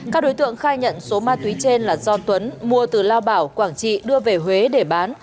các đối tượng khai nhận số ma túy trên là do tuấn mua từ lao bảo quảng trị đưa về huế để bán